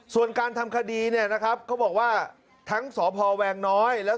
ส่วนการทำคดีเนี่ยนะครับเขาบอกว่าทั้งสพแวงน้อยแล้ว